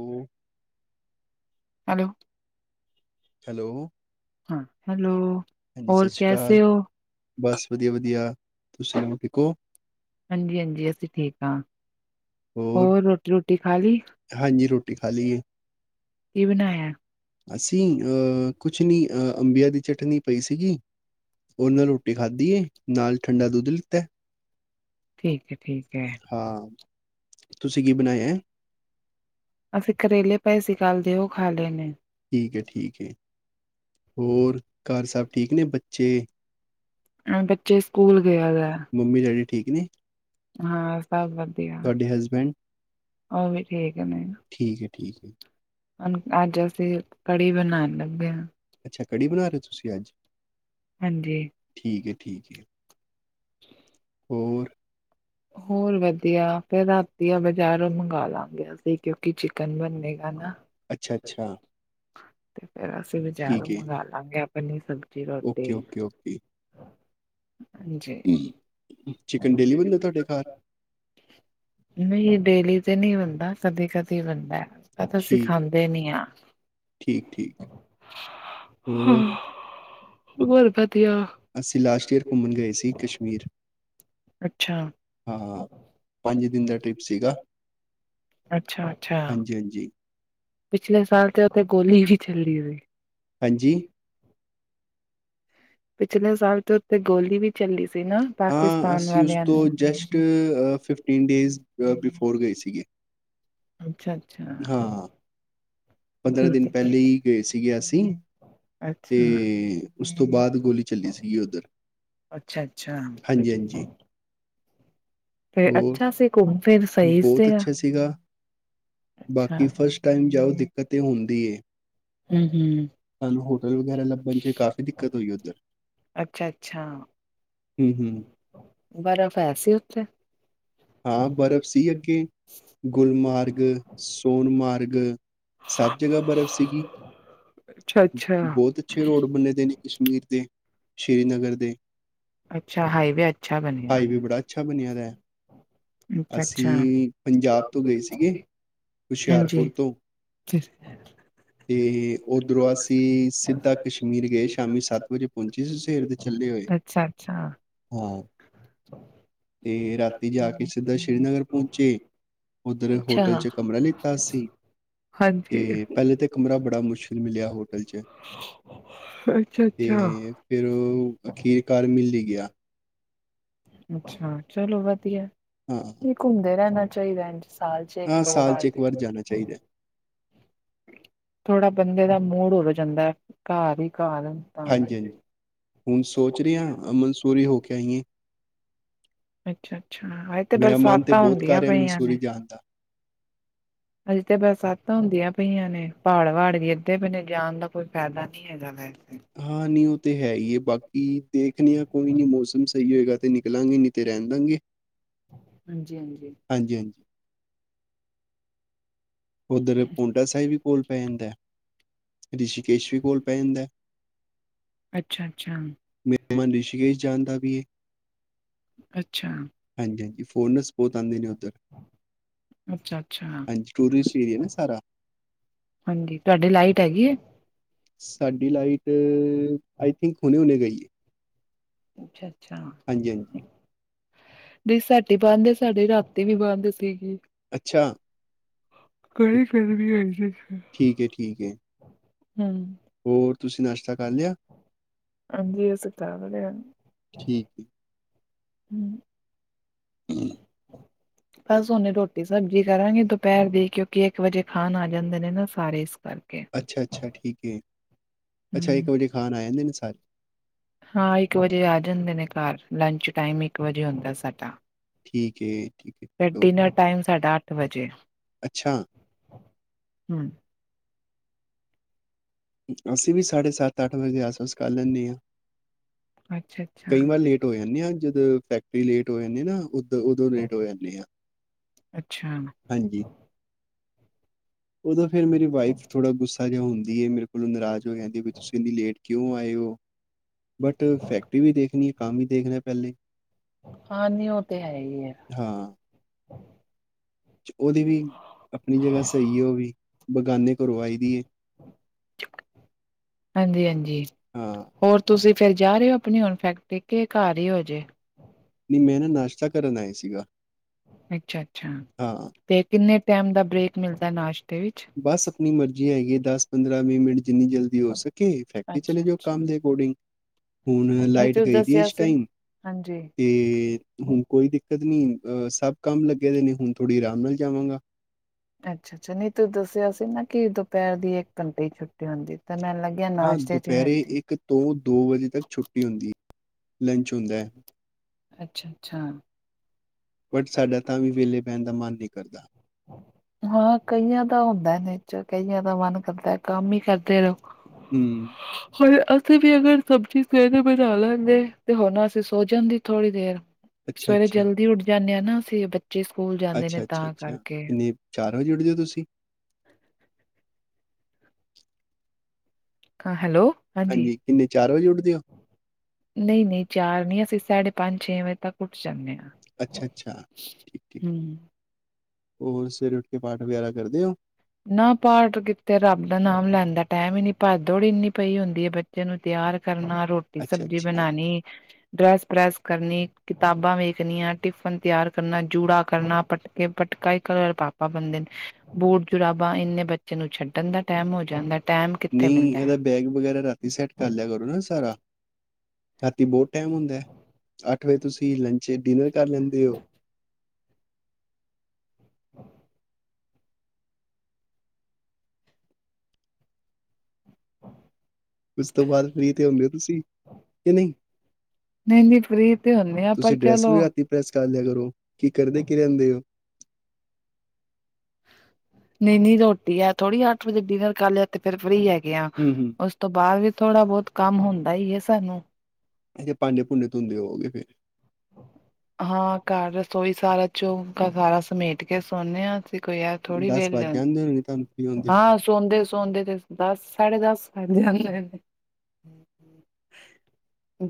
Hello hello. Hello ਹਾਂ, hello ਹਾਂਜੀ ਹੋਰ ਸਤ ਸ਼੍ਰੀ ਕੈਸੇ ਅਕਾਲ, ਹੋ ਬਸ ਵਦੀਆ ਵਦੀਆ, ਤੂਸੀ ਸੁਨਾਓ, ਠੀਕ ਔ? ਹਾਂਜੀ, ਹਾਂਜੀ ਅਸੀ ਠੀਕ ਆਂ, ਹੋਰ ਰੋਟੀ, ਰੂਟੀ ਖਾਲੀ? ਹਾਂਜੀ, ਰੋਟੀ ਖਾ ਲੀ ਏ। ਕੀ ਬਣਾਯਾ? ਅਸੀਂ ਅਅ, ਕੁਛ ਨਹੀਂ ਅਅ, ਅੰਬੀਆਂ ਦੀ ਚਟਨੀ ਪਈ ਸੀਗੀ। ਉਹ ਨਾਲ ਰੋਟੀ ਖਾਧੀ ਏ, ਨਾਲ ਠੰਡਾ ਦੁੱਧ ਲਿੱਤਾ। ਠੀਕ ਹੈ ਠੀਕ ਹੈ ਹਾਂ, ਤੁਸੀਂ ਕੀ ਬਣਾਇਆ ਹੈ? ਅਸੀਂ ਕਰੇਲੇ ਪਏ ਸੀ। ਕੱਲ ਦੇ ਉਹ ਖਾਲੇ ਣੇ। ਠੀਕ ਹੈ, ਠੀਕ ਹੈ। ਹੋਰ? ਘਰ ਸਭ ਠੀਕ ਨੇ, ਬੱਚੇ? ਅਮ, ਬੱਚੇ ਸਕੂਲ ਗਿਆ ਦਾ ਮੰਮੀ-ਡੈਡੀ ਠੀਕ ਨੇ? ਹਾਂ, ਸਭ ਵਧੀਆ, ਤੁਹਾਡੇ ਹਸਬੈਂਡ ਉਹ ਵੀ ਠੀਕ ਨੇ। ਠੀਕ ਹੈ, ਠੀਕ ਹੈ। ਅੱਜ ਅਸੀਂ ਕੜੀ ਬਣਾਉਣ ਲੱਗੇ ਹਾਂ। ਅੱਛਾ, ਕੜੀ ਬਣਾ ਰਹੇ ਤੁਸੀਂ ਅੱਜ? ਹਾਂਜੀ ਠੀਕ ਹੈ, ਠੀਕ ਹੈ। ਹੋਰ? ਹੋਰ ਵਧੀਆ, ਫੇਰ ਰਾਤੀ ਆ ਬਜ਼ਾਰੋਂ ਮੰਗਵਾ ਲਾਂਗੇ ਅਸੀ ਕਿਉਂਕਿ ਚਿਕਨ ਬਨੇਗਾ ਨਾ। ਅੱਛਾ, ਅੱਛਾ। ਤੇ ਫੇਰ ਅਸੀਂ ਬਜ਼ਾਰੋਂ ਠੀਕ ਹੈ ਮੰਗਾ ਲਵਾਂਗੇ ਆਪਣੀ ਸਬਜ਼ੀ ਓਕੇ ਰੋਟੀ। ਓਕੇ ਓਕੇ ਜੀ। ਚਿਕਨ ਡੇਲੀ ਬਣਦਾ ਤੁਹਾਡੇ ਘਰ? ਨਹੀ ਡੇਲੀ ਤੇ ਨੀ ਬਣਦਾ, ਕਦੀ- ਕਦੀ ਬਣਦਾ, ਮੈਂ ਤਾਂ ਠੀਕ, ਸਿਖਾਂ [unintelligible] [unintelligible] ਠੀਕ, ਠੀਕ ਹੋਰ? ਹੋਰ ਵਧੀਆ। ਅਸੀ ਲਾਸਟ ਈਅਰ ਘੁੰਮਣ ਗਏ ਸੀ ਕਸ਼ਮੀਰ। ਅੱਛਾ। ਹਾਂ, ਪੰਜ ਦਿਨ ਦਾ ਟ੍ਰਿਪ ਸੀਗਾ। ਅੱਛਾ, ਅੱਛਾ। ਜਜੀ ਪਿਛਲੇ ਸਾਲ ਤੇ ਉੱਥੇ ਗੋਲੀ ਵੀ ਚੱਲੀ ਸੀ। ਹਾਂਜੀ। ਪਿਛਲੇ ਸਾਲ ਤੇ ਉੱਥੇ ਗੋਲੀ ਵੀ ਚੱਲੀ। ਸੀ ਨਾ ਹਾਂ, ਪਾਕਿਸਤਾਨ ਅਸੀਂ ਉਸ ਵਾਲਿਆਂ ਤੋਂ ਨੇ ਜਸਟ ਫਿਫਟੀਨ ਡੇਜ਼ ਬਿਫੋਰ ਗਏ ਸੀਗੇ। ਅੱਛਾ, ਅੱਛਾ। ਪੰਦਰਾਂ ਠੀਕ ਦਿਨ ਹੈ ਪਹਿਲੇ ਠੀਕ ਹੀ ਗਏ ਸੀਗੇ ਅਸੀਂ। ਹੈ ਅੱਛਾ ਤੇ, ਉਸ ਤੋਂ ਬਾਅਦ ਗੋਲੀ ਚੱਲੀ ਸੀਗੀ ਉੱਧਰ? ਅੱਛਾ, ਅੱਛਾ। ਹਾਂਜੀ-ਹਾਂਜੀ, ਫਿਰ ਹੋਰ ਅੱਛਾ ਸੀ, ਘੁੰਮ-ਫਿਰ ਸਹੀ ਬਹੁਤ ਸੀਗਾ ਅੱਛਾ [unintelligible] ਅੱਛਾ ਬਾਕੀ ਫਸਟ ਟਾਈਮ ਜਾਓ, ਦਿੱਕਤ ਤੇ ਹੁੰਦੀ ਏ। ਹਮ, ਹਮ। ਸਾਨੂੰ ਹੋਟਲ ਵਗੈਰਾ ਲੱਭਣ 'ਚ ਕਾਫ਼ੀ ਦਿੱਕਤ ਹੋਈ ਉੱਧਰ। [inaudible] ਅੱਛਾ, ਅੱਛਾ! ਹਮ, ਹਮ! ਬਰਫ਼ ਹੈ ਸੀ ਉੱਥੇ? ਹਾਂ, ਬਰਫ਼ ਸੀ ਅੱਗੇ। ਗੁਲਮਾਰਗ, ਸੋਨਮਾਰਗ, ਸਭ ਜਗ੍ਹਾ ਬਰਫ਼ ਸੀਗੀ। ਅੱਛਾ-ਅੱਛਾ। ਬਹੁਤ ਅੱਛੇ ਅੱਛਾ ਰੋਡ ਬਣੇ ਦੇ ਨੇ ਕਸ਼ਮੀਰ ਦੇ, ਸ਼੍ਰੀਨਗਰ ਦੇ! ਅੱਛਾ, ਹਾਈਵੇ ਅੱਛਾ ਬਣਿਆ! ਹਾਈਵੇ ਬੜਾ ਅੱਛਾ ਬਣਿਆ ਦਾ ਹੈ। ਅੱਛਾ, ਅੱਛਾ! ਅਸੀਂ ਪੰਜਾਬ ਗਏ ਤੋਂ ਸੀਗੇ [unintelligible] ਹਾਂਜੀ! ਹੁਸ਼ਿਆਰਪੁਰ ਤੋਂ ਤੇ ਉੱਧਰੋਂ ਅਸੀਂ ਸਿੱਧਾ ਕਸ਼ਮੀਰ ਗਏ, ਸ਼ਾਮੀ ਸੱਤ ਵਜੇ ਪਹੁੰਚੀ ਸੀ ਸਵੇਰ ਦੇ! ਚੱਲੇ ਹੋਏ ਅੱਛਾ, ਅੱਛਾ! ਹਾਂ, ਤੇ ਰਾ ਰਾਤੀ ਜਾ ਕੇ ਸਿੱਧਾ ਸ਼੍ਰੀਨਗਰ ਪਹੁੰਚੇ, ਉੱਧਰ ਹੋਟਲ ਚ ਕਮਰਾ ਲਿੱਤਾ ਅਸੀਂ। ਹਾਂਜੀ। ਤੇ ਪਹਿਲੇ ਤਾਂ ਕਮਰਾ ਬੜਾ ਮੁਸ਼ਕਿਲ ਮਿਲਿਆ ਹੋਟਲ ਚ ਅੱਛਾ, ਅੱਛਾ ਫੇਰ ਉਹ ਅਖੀਰਕਾਰ ਮਿਲ ਹੀ ਗਿਆ ਅੱਛਾ, ਚਲੋ ਵਧੀਆ ਹਾਂ ਇਹ ਘੁੰਮਦੇ ਰਹਿਣਾ ਚਾਹੀਦਾ ਇ ਸਾਲ ਚ ਇੱਕ ਹਾਂ ਦੋ ਸਾਲ 'ਚ ਵਾਰ ਇੱਕ ਜਾਣਾ ਚਾਹੀਦਾ ਥੋੜਾ ਬੰਦੇ ਦਾ ਮੂਡ ਹੋਰ ਜਾਂਦਾ ਹੈ, ਘਰ ਹੀ ਘਰ ਤਾਂ ਹਾਂਜੀ -ਹਾਂਜੀ ਹੁਣ ਸੋਚ ਰਹੀ ਹਾਂ ਅਮਨਸੂਰੀ ਹੋ ਕੇ ਆਈਏ ਅੱਛਾ- ਅੱਛਾ ਹਜੇ ਤੇ ਮੇਰਾ ਮਨ ਤੇ ਬਰਸਾਤਾਂ ਬਹੁਤ ਕਰ ਹੁੰਦੀਆਂ ਰਿਹਾ ਪਈਆਂ ਮਨਸੂਰੀ ਨੇ ਜਾਣ ਦਾ ਹਜੇ ਤਾਂ ਬਰਸਾਤਾਂ ਹੁੰਦੀਆਂ ਪਈਆਂ ਨੇ ਪਹਾੜ ਵਾੜ ਵੀ ਇੱਥੇ ਕਿਤੇ ਜਾਣ ਦਾ ਕੋਈ ਫਾਇਦਾ ਨੀ [inaudible] [inaudible] ਹਾਂ ਨਹੀਂ ਉਹ ਤੇ ਹੈ ਹੀ ਹੈ ਬਾਕੀ ਦੇਖਦੇ ਆ ਕੋਈ ਨੀ ਮੌਸਮ ਸਹੀ ਹੋਏਗਾ ਤੇ ਨਿਕਲਾਂਗੇ ਨਹੀਂ ਤੇ ਰਹਿਣ ਦੇਵਾਂਗੇ [inaudible] [inaudible] ਹਾਂਜੀ- ਹਾਂਜੀ ਉਧਰ ਪੋਂਡਾ ਸਾਹਿਬ ਵੀ ਕੋਲ ਪੈ ਜਾਂਦਾ। ਰਿਸ਼ਕੇਸ਼ ਵੀ ਕੋਲ ਪੈ ਜਾਂਦਾ। ਅੱਛਾ-ਅੱਛਾ, ਮਨ ਰਿਸ਼ੀਕੇਸ਼ ਜਾਣਦਾ ਵੀ ਏ। ਅੱਛਾ, ਹਾਂਜੀ-ਹਾਂਜੀ, ਫੋਰਨਸ ਬਹੁਤ ਆਉਂਦੇ ਨੇ ਉੱਧਰ। ਅੱਛਾ-ਅੱਛਾ। ਟੂਰ ਏਰੀਏ ਨਾ ਸਾਰਾ ਹਾਂਜੀ ਤੁਹਾਡੀ ਲਾਈਟ ਹੈਗੀ ਐ? ਸਾਡੀ ਲਾਈਟ ਆਈ ਥਿੰਕ ਹੁਣੇ ਹੁਣੇ ਗਈ। ਅੱਛਾ, ਹਾਂਜੀ-ਹਾਂਜੀ, ਸਾਡੀ ਬੰਦ ਸਾਡੀੇ ਰਾਤੀ ਵੀ ਬੰਦ ਸੀਗੀ। ਅੱਛਾ, [inaudible] ਠੀਕ ਹੈ ਠੀਕ ਹੈ। ਹੂੰ, ਹੋਰ ਤੁਸੀਂ ਨਾਸ਼ਤਾ ਕਰ ਲਿਆ? ਹਾਂਜੀ, ਅਸੀਂ ਕਰ ਲਿਆ ਠੀਕ ਹੂੰ, [inaudible] ਬਸ ਹਨੇ ਰੋਟੀ ਸਬਜ਼ੀ ਕਰਾਂਗੇ, ਦੁਪਹਿਰ ਦੀ ਕਿਉਂਕਿ ਇੱਕ ਵਜੇ ਖਾਣ ਆ ਜਾਂਦੇ ਨੇ ਨਾ ਸਾਰੇ ਇਸ ਕਰਕੇ ਅੱਛਾ-ਅੱਛਾ ਠੀਕ ਹੈ, ਅੱਛਾ ਹੂੰ ਇੱਕ ਵਜੇ ਖਾਨ ਆ ਜਾਂਦੇ ਨੇ ਸਾਰੇ ਹਾਂ ਇੱਕ ਵਜੇ ਆ ਜਾਂਦੇ ਨੇ ਘਰ ਲੰਚ ਟਾਈਮ ਇੱਕ ਵਜੇ ਹੁੰਦਾ ਸਾਡਾ ਠੀਕ ਐ, ਤੇ ਡਿਨਰ ਟਾਈਮ ਸਾਡਾ ਅੱਠ ਵਜੇ ਅੱਛਾ, ਅਸੀਂ ਵੀ ਸਾਢੇ ਸੱਤ ਅੱਠ ਵਜੇ ਆਸ-ਪਾਸ ਕਰ ਲੈਂਦੇ ਹਾਂ। ਅੱਛਾ-ਅੱਛਾ, ਕਈ ਵਾਰ ਲੇਟ ਹੋ ਜਾਂਦੇ ਆ, ਜਦੋਂ ਫੈਕਟਰੀ ਲੇਟ ਹੋ ਜਾਂਦੀ ਨਾ ਉਦੋਂ ਉਦੋਂ ਲੇਟ ਹੋ ਜਾਂਦੇ ਆ। ਅੱਛਾ, ਹਾਂਜੀ, ਉਦੋਂ ਫੇਰ ਮੇਰੀ ਵਾਈਫ ਥੋੜਾ ਗੁੱਸਾ ਜਿਹਾ ਹੁੰਦੀ ਹੈ, ਮੇਰੇ ਕੋਲੋਂ ਨਾਰਾਜ਼ ਹੋ ਜਾਂਦੀ ਵੀ ਤੁਸੀਂ ਇੰਨੀ ਲੇਟ ਕਿਉਂ ਆਏ ਹੋ। ਬਟ ਫੈਕਟਰੀ ਵੀ ਦੇਖਣੀ ਹੈ, ਕੰਮ ਹੀ ਦੇਖਣਾ ਹੈ ਪਹਿਲੇ ਹਾਂ ਨਹਂੀ ਓ ਤੇ ਹੈ ਹੀ ਹੈ। ਹਾਂ, ਉਹਦੀ ਵੀ ਆਪਣੀ ਜਗਾ ਸਹੀ ਉਹ ਵੀ ਬਗਾਨੇ ਘਰੋਂ ਆਈ ਦੀ [inaudible] ਹਾਂਜੀ-ਹਾਂਜੀ ਹਾਂ। ਹੋਰ। ਤੁਸੀਂ ਫੇਰ ਜਾ ਰਹੇ ਹੋ ਆਪਣੀ, ਹੁਣ ਫੈਕਤਰੀ ਜਾ ਘਰ ਹੀ ਰਹੇ ਹੋਜੇ। ਨਹੀਂ ਮੈਂ ਨਾਸ਼ਤਾ ਕਰਨ ਆਏ ਸੀਗਾ। ਅੱਛਾ-ਅੱਛਾ, ਹਾਂ ਤੇ ਕਿੰਨੇ ਟਾਈਮ ਦਾ ਬ੍ਰੇਕ ਮਿਲਦਾ ਨਾਸ਼ਟ ਬਸ ਆਪਣੀ ਮਰਜ਼ੀ ਹੈਗੀ ਹੈ, ਦਸ ਪੰਦਰਾਂ ਵੀਹ ਮਿੰਟ ਜਿੰਨੀ ਜਲਦੀ। ਹੋ ਸਕੇ ਫੈਕਟਰੀ ਚਲੇ ਅੱਛਾ ਜਾਓ, ਅੱਛਾ ਕੰਮ ਦੇ ਅਕੋਰਡਿੰਗ। ਹੁਣ ਨਹੀਂ ਲਾਈਟ ਤੁਸੀਂ ਗਈ ਦੀ ਦੱਸਿਆ ਇਸ ਸੀ ਟਾਈਮ ਹਾਂਜੀ ਤੇ ਹੁਣ ਕੋਈ ਦਿੱਕਤ ਨੀ ਅ ਸਭ ਕੰਮ ਲੱਗੇ ਦੇ ਨੇ, ਹੁਣ ਥੋੜੀ ਆਰਾਮ ਨਾਲ ਜਾਵਾਂਗਾ। ਅੱਛਾ-ਅੱਛਾ ਨਹੀਂ ਤੂੰ ਦੱਸਿਆ ਸੀ ਨਾ, ਕਿ ਦੁਪਹਿਰ ਦੀ ਇੱਕ ਘੰਟੇ ਹੀ ਛੁੱਟੀ ਹੁੰਦੀ ਤਾਂ ਮੈਨ ਲੱਗ। ਹਾਂ ਦੁਪਹਿਰੇ ਇੱਕ ਤੋਂ ਦੋ ਵਜੇ ਤੱਕ ਛੁੱਟੀ ਹੁੰਦੀ ਹੈ, ਲੰਚ ਹੁੰਦਾ ਹੈ। ਅੱਛਾ-ਅੱਛਾ। ਬਟ ਸਾਡਾ ਤਾਂ ਵੀ ਵਿਹਲੇ ਪਹਿਣ ਦਾ ਮਨ ਨਹੀਂ ਕਰਦਾ। ਹਾਂ ਕਈਆਂ ਦਾ ਹੁੰਦਾ ਨੇ ਚ ਕਈਆਂ ਦਾ ਮਨ ਕਰਦਾ ਕੰਮ ਹੀ ਕਰਦੇ ਰਹੋ। ਹੂੰ, ਹੁਣ ਅਸੀਂ ਵੀ ਅਗਰ ਸਬਜ਼ੀ ਸਵੇਰੇ ਬਣਾ ਲੈਂਦੇ ਤੇ ਹੁਣ ਅਸੀਂ ਸੋ ਜਾਂਦੇ। ਥੋੜ੍ਹੀ ਦੇਰ' ਅੱਛਾ ਸਵੇਰੇ ਅੱਛਾ ਜਲਦੀ ਉੱਠ ਜਾਂਦੇ ਹਾਂ ਨਾ ਅਸੀਂ। ਬੱਚੇ ਸਕੂਲ ਜਾਂਦੇ ਨੇ ਅੱਛਾ ਅੱਛਾ ਤਾਂ ਅੱਛਾ ਕਰਕੇ। ਕਿੰਨੇ ਚਾਰ ਵਜੇ ਉੱਠ ਦੇ ਤੁਸੀਂ ਹਾਂ ਹੈਲੋ ਹਾਂਜੀ ਕਿੰਨੇ ਚਾਰ ਵਜੇ ਉੱਠਦੇ ਹੋ ਨਹੀਂ- ਨਹੀਂ ਚਾਰ ਨਹੀ ਅਸੀਂ ਸਾਢੇ ਪੰਜ, ਛੇ ਵਜੇ ਤੱਕ ਉੱਠ ਜਾਂਦੇ ਹਾਂ ਅੱਛਾ-ਅੱਛਾ' ਠੀਕ-ਠੀਕ ਹੂੰ ਹੋਰ ਫਿਰ ਉੱਠ ਕੇ ਪਾਠ ਵਗੈਰਾ ਕਰਦੇ ਹੋ। ਨਾ ਪਾਠ ਕਿਤੇ ਰੱਬ ਦਾ ਨਾਮ ਲੈਣ ਦਾ ਟਾਇਮ ਹੀ ਨੀ ਭਜ ਦੌੜ ਇੰਨੀ ਪਈ ਹੁੰਦੀ ਹੈ। ਬੱਚੇ ਨੂੰ ਤਿਆਰ ਕਰਨਾ, 'ਰੋਟੀ ਅੱਛਾ ਸਬਜ਼ੀ ਅੱਛਾ ਬਣਾਉਣੀ। ਡਰੈਸ ਪ੍ਰੈਸ ਕਰਨੀ'ਕਿਤਾਬਾਂ ਵੇਖਣੀਆਂ' ਟਿਫਨ ਤਿਆਰ ਕਰਨਾ ਜੂੜਾ ਕਰਨਾ ਪ- ਪਟਕਾ ਕਈ ਪਾਪਾ ਬਣਦੇ ਨੇ। ਬੂਟ ਜੁਰਾਬਾਂ, ਇੰਨੇ ਬੱਚੇ ਨੂੰ ਛੱਡਣ ਦਾ ਟਾਈਮ ਹੋ ਜਾਂਦਾ। ਟਾਈਮ ਕਿੱਥੇ ਨਹੀਂ ਮਿਲਦਾ ਇਹਦਾ ਹੈ ਬੈਗ ਵਗੈਰਾ ਰੱਖ। ਸੈੱਟ ਕਰ ਲਿਆ ਕਰੋ ਨਾ ਸਾਰਾ'ਰਾਤੀ ਬਹੁਤ ਟਾਈਮ ਹੁੰਦਾ। ਅੱਠ ਵਜੇ ਤੁਸੀਂ ਲੰਚ ਡਿਨਰ ਕਰ ਲੈਂਦੇ ਹੋ। ਉਸ ਤੋਂ ਬਾਅਦ ਫਰੀ ਤੇ ਹੁੰਦੇ ਹੋ ਤੁਸੀਂ, ਕਿ ਨਹੀਂ। ਨਹੀਂ -ਨਹੀਂ ਫਰੀ ਤੇ ਹੁੰਦੇ ਆ ਪਰ ਤੁਸੀਂ ਡਰੈਸ ਚਲੋ। ਵੀ ਰਾਤੀ ਪ੍ਰੈਸ ਕਰ ਲਿਆ ਕਰੋ ਕੀ ਕਰਦੇ ਕੀ ਰਹਿੰਦੇ ਹੋ। ਨਹੀਂ- ਨਹੀ ਰੋਟੀ ਹੈ ਥੋੜੀ ਅੱਠ ਵਜੇ ਡਿਨਰ ਕਰ ਲਿਆ ਤੇ ਫਿਰ ਫਰੀ ਹੈਗੇ ਆ। ਹੂੰ ਹੂੰ ਤੋਂ ਬਾਅਦ ਵੀ ਥੋੜਾ-ਬਹੁਤ ਕੰਮ ਹੁੰਦਾ ਈ ਹੈ ਸਾਨੂੰ। ਇਦੇ ਭਾਂਡੇ ਭੁੰਡੇ ਧੋਂਦੇ ਹੋ ਗਏ ਫੇਰ। ਹਾਂ ਘਰ ਰਸੋਈ ਸਾਰਾ ਚੌਕਾ ਸਾਰਾ ਸਮੇਟ ਕੇ ਸੌਦੇ ਹਾਂ ਅਸੀਂ। ਕੋਈ ਐ ਥੋੜੀ ਦਸ ਵਿਹਲੇ, ਵੱਜ ਜਾਂਦੇ ਹੋਣੇ ਤੁਹਾਨੂੰ ਫ੍ਰੀ ਹੁੰਦੇ ਹੋ ਹਾਂ ਸੌਦੇ-ਸੌਂਦੇ ਤੇ ਦਸ ਸਾਢੇ ਦਸ ਕਰ ਜਾਂਦੇ ਨੇ।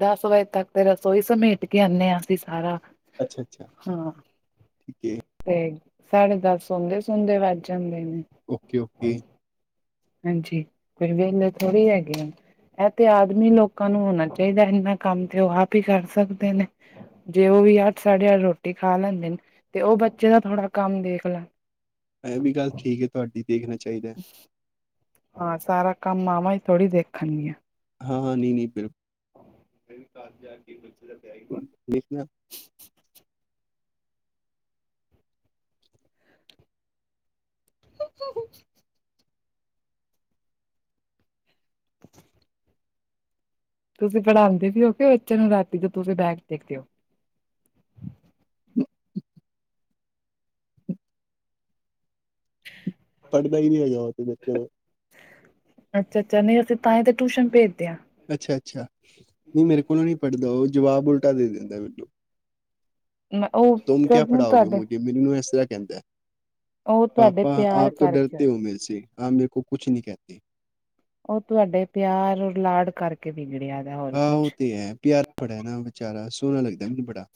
ਦਸ ਵਜੇ ਤੱਕ ਤੇ ਰਸੋਈ ਸਮੇਟ ਕੇ ਆਉਂਦੇ ਹਾਂ ਅਸੀਂ ਸਾਰਾ। ਅੱਛਾ ਅੱਛਾ ਹਾਂ ਜੀ। ਤੇ ਸਾਡੇ ਦਸ ਸੌਂਦੇ- ਸੌਦੇ ਵੱਜ ਜਾਂਦੇ ਨੇ। ਓਕੇ-ਓਕੇ ਹਾਂਜੀ, ਫਿਰ ਵਿਹਲੇ ਥੋੜ੍ਹੀ ਹੈਗੇ ਹਾਂ। ਇਹ ਤੇ ਆਦਮੀ ਲੋਕਾਂ ਨੂੰ ਹੋਣਾ ਚਾਹੀਦਾ ਇਨਾ ਕੰਮ ਤੇ ਉਹ ਆਪ ਹੀ ਕਰ ਸਕਦੇ ਨੇ ਜੇ ਉਹ ਵੀ ਅੱਠ ਸਾਢੇ ਅੱਠ ਰੋਟੀ ਖਾ ਲੈਂਦੇ ਨੇ'ਤੇ ਉਹ ਬੱਚੇ ਦਾ ਥੋੜ੍ਹਾ ਕੰਮ ਦੇਖ ਲੈਂਦੇ। ਐ ਵੀ ਗੱਲ ਠੀਕ ਹੈ' ਤੁਹਾਡੀ ਦੇਖਣਾ ਚਾਹੀਦਾ। ਹਾਂ ਸਾਰਾ ਕੰਮ ਮਾਵਾਂ ਹੀ ਥੋੜ੍ਹੀ ਦੇਖਣਗੀਆਂ। ਹਾਂ-ਹਾਂ ਨਹੀਂ ਨਹੀਂ ਬਿਲਕੁਲ। ਫਿਰ ਘਰ ਜਾ ਕੇ ਬੱਚੇ ਦਾ ਬੈਗ ਲਿਖਣਾ [unintelligible] [unintelligible] [unintelligible] [unintelligible] ਤੁਸੀਂ ਪੜ੍ਹਾਉਂਦੇ ਵੀ ਹੋ ਕੇ ਬੱਚੇ ਨੂੰ ਰਾਤੀ ਤੋਂ ਤੁਸੀਂ ਬੈਗ ਦੇਖਦੇ ਹੋ [unintelligible] [unintelligible] ਪੜ੍ਹਦਾ ਹੀ ਨਹੀਂ ਹੈਗਾ ਉਹ ਮੇਰੇ ਕੋਲੋ ਅੱਛਾ ਅੱਛਾ ਨਹੀਂ ਅਸੀਂ ਤਾਂ ਹੀ ਤੇ ਟਿਊਸ਼ਨ ਭੇਜਦੇ ਹਾਂ ਅੱਛਾ, ਅੱਛਾ ਨਹੀਂ ਮੇਰੇ ਕੋਲੋਂ ਨੀ ਪੜ੍ਹਦਾ ਉਹ ਜਵਾਬ ਉਲਟਾ ਦੇ ਦਿੰਦਾ ਮੈਨੂੰ ਮੈਂ ਉਹ [unintelligible] ਤੁਮ ਕਿਆ ਪੜਾਓਗੇ, ਤੁਹਾਡੇ ਮੁਝੇ ਮੈਨੂੰ ਇਸ ਤਰ੍ਹਾਂ ਕਹਿੰਦਾ ਉਹ ਤੁਹਾਡੇ ਪਾਪਾ ਪਿਆਰ ਆਪ ਤੋਂ ਕਰਕੇ ਡਰਤੇ ਹੋਏ। ਹੋ ਮੇਰੇ ਸੇ, ਆਪ ਮੇਰੇ ਕੋ ਕੁੱਛ ਨਹੀਂ ਕਹਿਤੇ ਉਹ ਤੁਹਾਡੇ ਪਿਆਰ ਔਰ ਲਾਡ ਕਰਕੇ ਵਿਗੜਿਆ ਦਾ ਹੋਰ ਆਹੋ ਉਹ ਕੁਛ ਤੇ ਹੈ, ਪਿਆਰਾ ਬੜਾ ਨਾ ਵਿਚਾਰਾ ਸੋਹਣਾ ਲੱਗਦਾ ਮੈਨੂੰ ਬੜਾ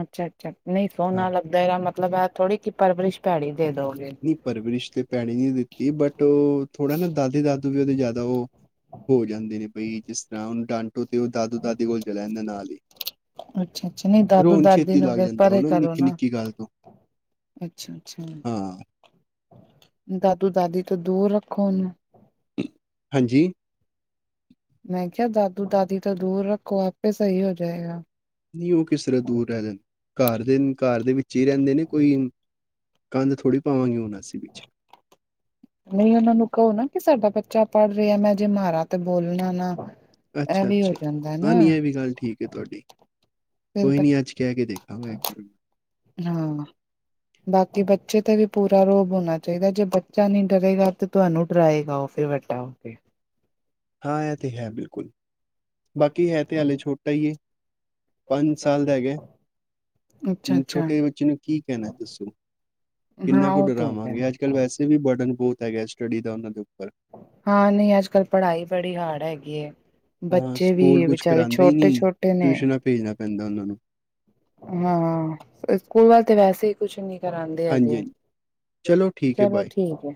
ਅੱਛਾ, ਅੱਛਾ ਨਹੀਂ ਹਾਂ ਸੋਹਣਾ ਲੱਗਦਾ ਇਹਦਾ ਮਤੱਲਬ ਹੈ ਥੋੜ੍ਹੀ ਕਿ ਪਰਵਰਿਸ਼ ਭੈੜੀ ਦੇ ਦੋ ਨਹੀਂ, ਪਰਵਰਿਸ਼ ਤੇ ਭੈੜੀ ਨਹੀਂ ਦਿੱਤੀ, ਬੱਟ ਉਹ ਥੋੜਾ ਨਾ ਦਾਦੇ ਦਾਦੂ ਵੀ ਉਹਦੇ ਜ਼ਿਆਦਾ ਉਹ ਹੋ ਜਾਂਦੇ ਨੇ ਬਈ, ਜਿਸ ਤਰ੍ਹਾਂ ਉਹਨੂੰ ਡਾਂਟੋ ਤੇ ਉਹ ਦਾਦੂ-ਦਾਦੀ ਕੋਲ ਚਲੇ ਜਾਂਦੇ ਨੇ, ਨਾਲ ਹੀ। ਅੱਛਾ ਅੱਛਾ ਨਹੀਂ ਦਾਦੂ ਰ੍ਹੋਣ ਦਾਦੀ ਛੇਤੀ ਨੂੰ ਲੱਗ ਫਿਰ ਜਾਂਦੇ ਉਹ ਨਾਂ ਨਿੱਕੀ-ਨਿੱਕੀ ਗੱਲ ਤੋਂ। ਅੱਛਾ-ਅੱਛਾ। ਹਾਂ ਦਾਦੂ-ਦਾਦੀ ਤੋਂ ਦੂਰ ਰੱਖੋ, ਉਹਨੂੰ। ਹਾਂਜੀ! ਮੈਂ ਕਿਆ ਦਾਦੂ-ਦਾਦੀ ਤੋਂ ਦੂਰ ਰੱਖੋ, ਆਪੇ ਸਹੀ ਹੋ ਜਾਇਗਾ। ਨਹੀਂ, ਉਹ ਕਿਸ ਤਰ੍ਹਾਂ ਦੂਰ ਰਹਿਲੇਨ, ਘਰ ਦੇ, ਘਰ ਦੇ ਵਿੱਚ ਹੀ ਰਹਿੰਦੇ ਨੇ ਕੋਈ ਕੰਧ ਥੋੜੀ ਪਾਵਾਂਗੇ, ਹੁਣ ਅਸੀਂ ਵਿੱਚ। ਨਹੀਂ ਉਹਨਾਂ ਨੂੰ ਕਹੋ ਨਾ, ਕਿ ਸਾਡਾ ਬੱਚਾ ਪੜ੍ਹ ਰਿਹਾ, ਜੇ ਮਾਰਾ ਤੇ ਬੋਲਣਾ ਨਾ। ਇਹ ਵੀ ਹੋ ਅੱਛਾ-ਅੱਛਾ, ਜਾਂਦਾ ਹਾਂ ਨਾ ਨਹੀਂ ਐ ਵੀ, ਗੱਲ ਠੀਕ। ਠੀਕ ਏ ਤੁਹਾਡੀ, ਫਿਰ ਕੋਈ ਬ ਨੀ ਅੱਜ ਕਹਿਕੇ ਦੇਖਾਂਗਾ ਇੱਕ ਵਾਰ। ਹਾਂ। ਬਾਕੀ ਬੱਚੇ ਤੇ ਵੀ ਪੂਰਾ ਰੋਹਬ ਹੋਣਾ ਚਾਹੀਦਾ, ਜੇ ਬੱਚਾ ਨਹੀਂ ਡਰੇਗਾ ਤੇ ਤੁਹਾਨੂੰ ਡਰਾਇਗਾ, ਓ ਫਿਰ ਵੱਡਾ ਹੋਕੇ। ਹਾਂ, ਐ ਤੇ ਹੈ ਬਿਲਕੁਲ। ਬਾਕੀ ਹੈ ਤੇ ਹਾਲੇ ਛੋਟਾ ਹੀ ਹੈ, ਪੰਜ ਸਾਲ ਦਾ ਹੈਗਾ ਅੱਛਾ ਹੁਣ ਅੱਛਾ ਛੋਟੇ ਬੱਚੇ ਨੂੰ ਕੀ ਕਹਿਣਾ ਦੱਸੋ, ਕਿੰਨਾ ਹਾਂ ਕੁ ਉਹ ਤੇ ਡਰਾਵਾਂਗੇ ਹੈਗਾ ਅੱਜ ਅੱਜ-ਕੱਲ ਵੈਸੇ ਵੀ ਬਰਡਨ ਬਹੁਤ ਹੈਗਾ ਸਟੱਡੀ ਦਾ ਉਹਨਾਂ ਦੇ ਉੱਪਰ। ਹਾਂ, ਨਹੀਂ ਅੱਜ-ਕੱਲ ਪੜ੍ਹਾਈ ਬੜੀ ਹਾਰਡ ਹੈਗੀ ਏ। ਹਾਂ ਬੱਚੇ ਵੀ, ਸਕੂਲ ਕੁਛ ਵਿਚਾਰੇ ਕਰਾਉਂਦੇ ਹੀ ਨਹੀਂ ਛੋਟੇ-ਛੋਟੇ ਨੇ ਟਿਊਸ਼ਨਾਂ ਭੇਜਣਾ ਪੈਂਦਾ ਉਹਨਾਂ ਨੂੰ ਹਾਂ, ਸਕੂਲ ਵਾਲੇ ਤੇ ਵੈਸੇ ਹੀ ਕੁੱਛ ‌ਨਹੀ ਕਰਾਂਦੇ ਹਾਂਜੀ ਹੈਗੇ, ਹਾਂਜੀ ਚਲੋ ਠੀਕ ਹੈ ਚਲੋ ਬਾਏ ਠੀਕ ਹੇ।